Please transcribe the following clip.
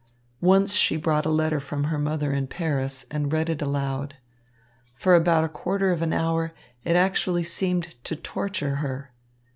Once she brought a letter from her mother in Paris and read it aloud. For about a quarter of an hour, it actually seemed to torture her.